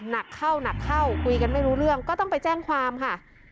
หนักเข้าหนักเข้าคุยกันไม่รู้เรื่องก็ต้องไปแจ้งความค่ะ